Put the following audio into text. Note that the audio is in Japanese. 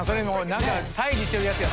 何か退治してるやつや。